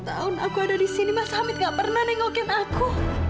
dua puluh tahun aku ada di sini mas hamid gak pernah nengokin aku